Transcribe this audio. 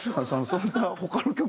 そんな他の曲